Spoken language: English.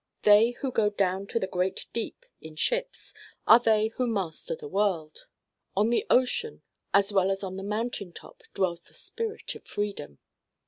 They who go down to the great deep in ships are they who master the world. On the ocean as well as on the mountain top dwells the spirit of freedom.